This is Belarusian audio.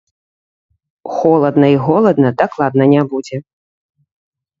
Холадна і голадна дакладна не будзе.